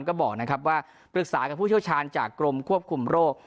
ก็บอกนะครับว่าปรึกษากับผู้เชี่ยวชาญจากกรมควบคุมโรค